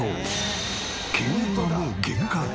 経営はもう限界。